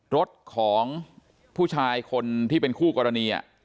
รถของผู้ชายคนที่เป็นคู่กรณี